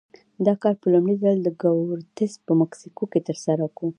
دا کار په لومړي ځل کورټز په مکسیکو کې ترسره کړی و.